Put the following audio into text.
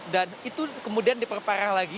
dan itu kemudian diperpareh lagi